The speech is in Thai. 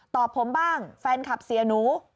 ผมบ้างแฟนคลับเสียหนู